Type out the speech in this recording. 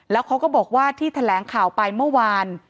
แล้วเขาก็บอกว่าที่แถลงข่าวไปเมื่อวาน